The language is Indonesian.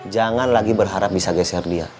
jangan lagi berharap bisa geser dia